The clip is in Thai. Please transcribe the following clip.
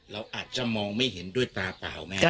เราอาจจะมองไม่เห็นด้วยตาเปล่าแม่